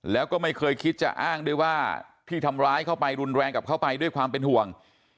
แล้วก็ไม่เคยคิดจะอ้างด้วยว่าที่ทำร้ายเข้าไปรุนแรงกับเข้าไปด้วยความเป็นห่วง